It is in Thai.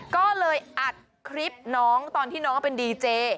ก็เลยอัดคลิปน้องตอนที่น้องเป็นดีเจ